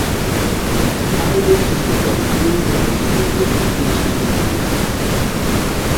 Algo que supón un claro secretismo institucional.